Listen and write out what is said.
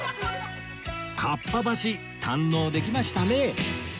かっぱ橋堪能できましたね